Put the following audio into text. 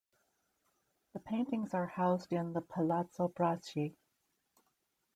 The paintings are housed in the Palazzo Braschi.